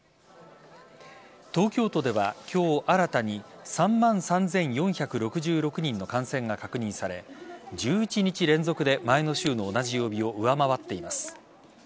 東京都では今日新たに３万３４６６人の感染が確認され１１日連続で前の週の同じ曜日を上回っています。